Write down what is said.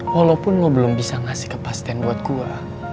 walaupun gue belum bisa ngasih kepastian buat gue